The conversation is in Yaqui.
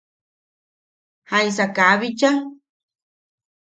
¿Jaisa kaa bicha?